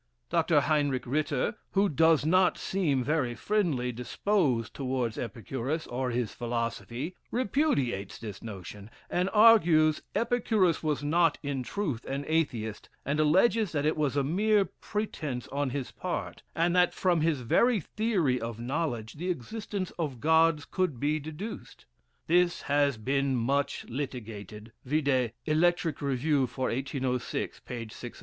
Dr. Heinrich Ritter, who does not seem very friendly disposed towards Epicurus, or his philosophy, repudiates this notion, and argues Epicurus was not in truth an Atheist, and alleges that it was a mere pretence on his part; and that from his very theory of knowledge the existence of gods could be deduced. This has been much litigated, (vide Electric Review for 1806, p. 606.)